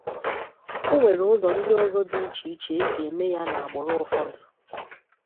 Onwere ụzọ ndịọzọ dị iche iche esi eme ya n’agbụrụ ụfọdụ.